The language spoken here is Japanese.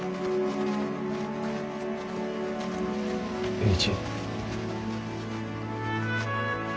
栄一。